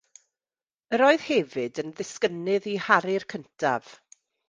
Yr oedd hefyd yn ddisgynnydd i Harri'r Cyntaf.